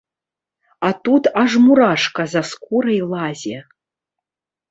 А тут аж мурашка за скурай лазе.